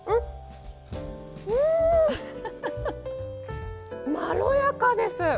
うんまろやかです！